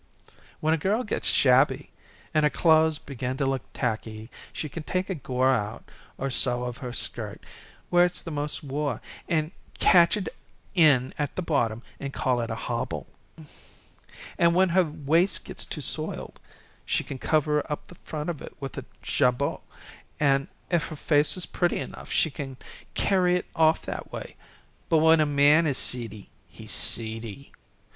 "When a girl gets shabby, and her clothes begin t' look tacky she can take a gore or so out of her skirt where it's the most wore, and catch it in at the bottom, and call it a hobble. An' when her waist gets too soiled she can cover up the front of it with a jabot, an' if her face is pretty enough she can carry it off that way. But when a man is seedy, he's seedy.